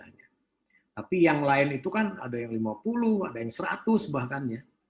tapi yang lain itu kan ada yang lima puluh ada yang seratus bahkan ya